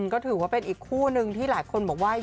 ก็ถือว่าเป็นอีกคู่นึงที่หลายคนบอกว่า